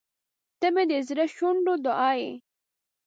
• ته مې د زړه شونډو دعا یې.